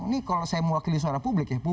ini kalau saya mewakili suara publik ya